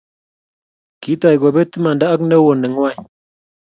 kitoy kobet imanda ak neo nengwai